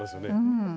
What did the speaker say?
うん。